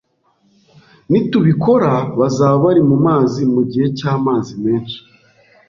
Nitubikora, bazaba bari mumazi mugihe cyamazi menshi